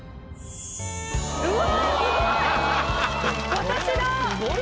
うわすごい！